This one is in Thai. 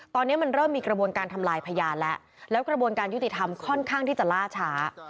ตอนนี้มันเริ่มมีกระบวนการทำลายพยานแล้วแล้วกระบวนการยุติธรรมค่อนข้างที่จะล่าช้า